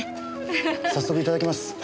早速いただきます。